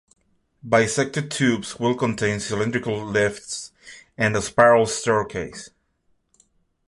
Bisected tubes will contain cylindrical lifts and a spiral staircase.